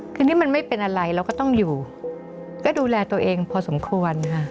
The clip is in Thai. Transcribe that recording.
คือนี่มันไม่เป็นอะไรเราก็ต้องอยู่ก็ดูแลตัวเองพอสมควรค่ะ